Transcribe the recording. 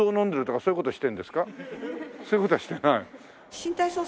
そういう事はしてない？